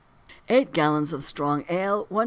eight gallons of strong ale, 1s.